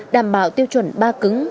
đảm bảo tiêu chuẩn ba cứng